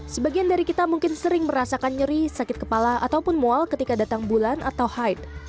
sebagian dari kita mungkin sering merasakan nyeri sakit kepala ataupun mual ketika datang bulan atau hyde